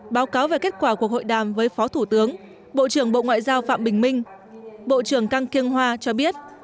báo cáo về kết quả cuộc hội đàm với phó thủ tướng bộ trưởng bộ ngoại giao phạm bình minh bộ trưởng cang kyng hoa cho biết